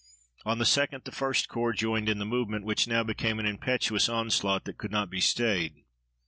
On the 2d the 1st Corps joined in the movement, which now became an impetuous onslaught that could not be stayed.